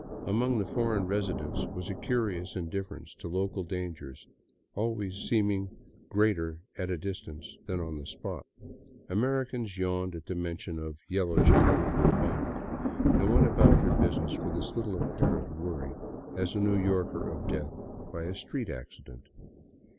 Among the foreign residents was a curious indifference to local dangers, always seeming greater at a distance than on the spot. Americans yawned at the mention of " Yellow Jack " and Bubonic and went about their business with as little apparent worry as a New Yorker of death by a street accident.